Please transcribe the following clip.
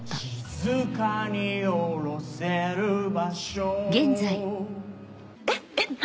静かに降ろせる場所えっえっ何？